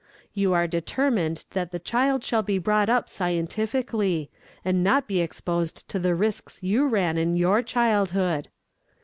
You are determined that the child shall be brought up scientifically, and not be exposed to the risks you ran in your childhood.